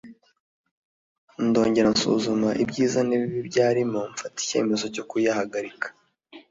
ndongera nsuzuma ibyiza n’ibibi biyarimo mfata icyemezo cyo kuyahagarika